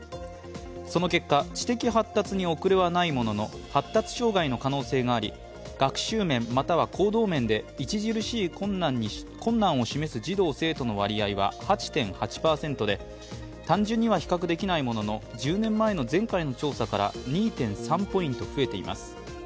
その結果、知的発達におくれはないものの発達障害の可能性があり学習面または行動面で著しい困難を示す児童生徒の割合が８．８％で単純には比較できないものの１０年前の前回の調査から２．３ポイント増えています。